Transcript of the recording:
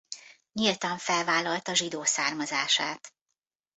Nyíltan felvállalta zsidó származását.